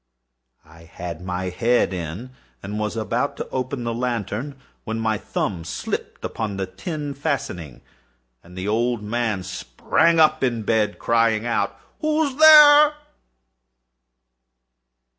I had my head in, and was about to open the lantern, when my thumb slipped upon the tin fastening, and the old man sprang up in bed, crying out—"Who's there?"